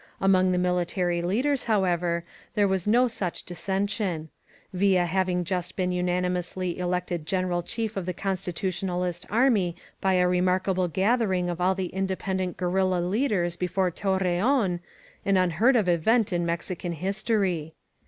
Among the military lead ers, however, there was no such dissension; Villa hav ing just been unanimously elected Greneral Chief of the Constitutionalist Army by a remarkable gathering of all the independent guerrilla leaders before Torreon, — an unheard of event in Mexican history.